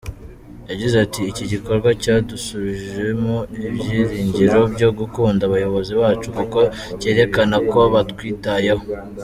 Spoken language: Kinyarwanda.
Yagize ati “Iki gikorwa cyadusubijemo ibyiringiro byo gukunda abayobozi bacu kuko cyerekana ko batwitayeho.